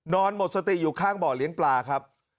หมดสติอยู่ข้างบ่อเลี้ยงปลาครับ